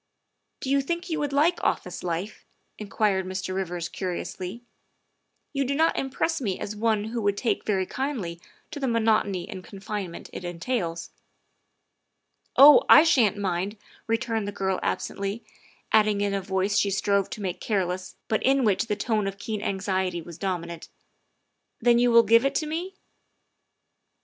Do you think you would like office life?" inquired Mr. Rivers curiously. " You do not impress me as one who would take very kindly to the monotony and con finement it entails." " Oh, I sha'n't mind," returned the girl absently, adding in a voice she strove to make careless but in which the note of keen anxiety was dominant, '' then you will give it to me?"